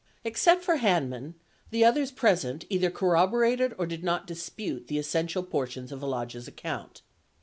Except for Hanman, the others present either corroborated or did not dispute the essential portions of Alagia's account.